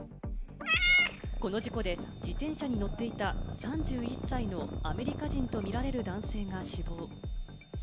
この事故で自転車に乗っていた３１歳のアメリカ人とみられる男性が死亡。